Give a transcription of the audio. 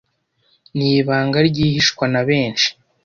n'ibanga ryihishwa na benshi